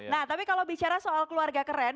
nah tapi kalau bicara soal keluarga keren